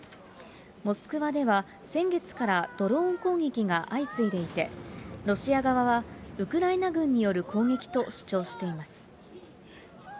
モスクワでは先月からドローン攻撃が相次いでいて、ロシア側はウクライナ軍による攻撃と主張しています。